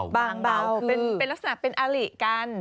บางเบาคือเป็นลักษณะเป็นอาหรี่กัน